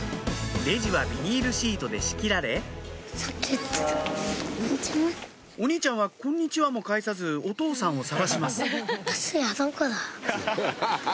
レジはビニールシートで仕切られお兄ちゃんは「こんにちは」も返さずお父さんを探しますたつやいないのかな。